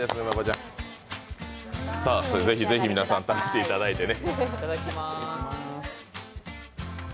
ぜひぜひ皆さん食べていただいてね。